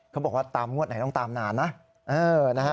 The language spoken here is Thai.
เขาบอกว่าตามงวดไหนต้องตามนานนะ